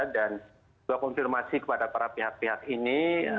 dan buat konfirmasi kepada para pihak pihak ini